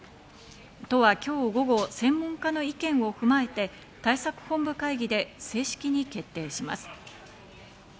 都は今日午後、専門家の意見を踏まえて対策本部会議で正式に決定します。